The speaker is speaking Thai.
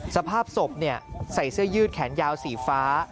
สภาพศพใส่เสื้อยืดแขนยาวสีฟ้า